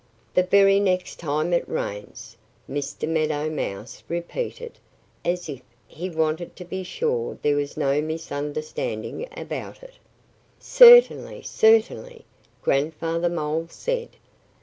"The very next time it rains!" Mr. Meadow Mouse repeated, as if he wanted to be sure there was no misunderstanding about it. "Certainly! Certainly!" Grandfather Mole said.